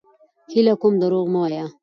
هيله کوم دروغ مه وايه!